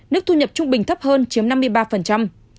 nước thu nhập trung bình thấp hơn chiếm năm mươi ba